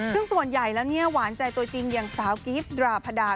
ซึ่งส่วนใหญ่แล้วเนี่ยหวานใจตัวจริงอย่างสาวกิฟต์ดราพดา